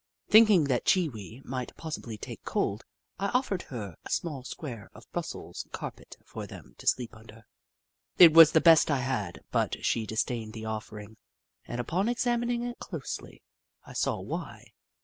Thinking that Chee Wee might possibly take cold, I offered her a small square of brussels carpet for them to sleep under. It was the best I had, but she disdained the offering, and upon examining it closely, I saw why.